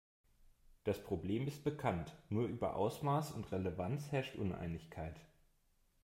Das Problem ist bekannt, nur über Ausmaß und Relevanz herrscht Uneinigkeit.